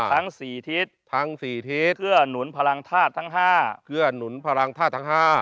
ทั้งสี่ทิศเพื่อนุนพลังธาตุทั้งห้า